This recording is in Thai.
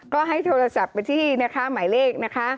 ก็ให้โทรศัพท์ไปที่นะคะหมายเลขนะคะ